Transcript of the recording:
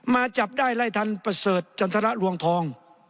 จับได้ไล่ทันประเสริฐจันทรลวงทอง